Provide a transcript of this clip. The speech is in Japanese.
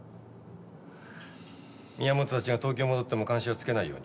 宮本たちが東京へ戻っても監視はつけないように。